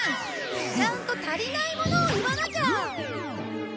ちゃんと足りないものを言わなきゃ！